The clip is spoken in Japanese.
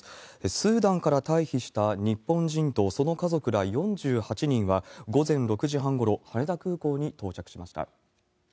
スーダンから退避した日本人とその家族ら４８人は、午前６時半ごろ、羽田空港に到着しました。